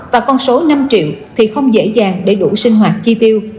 và con số năm triệu thì không dễ dàng để đủ sinh hoạt chi tiêu